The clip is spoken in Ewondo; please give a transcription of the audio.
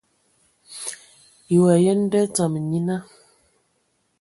Yi wa yen nda dzama nyina?